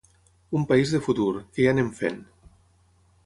Un país de futur, que ja anem fent.